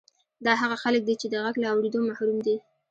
دا هغه خلک دي چې د غږ له اورېدو محروم دي